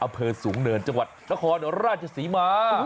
อำเภอสูงเนินจังหวัดนครราชศรีมา